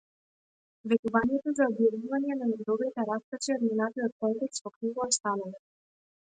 Ветувањето за објавување на најдобрите раскази од минатиот конкурс во книга останува.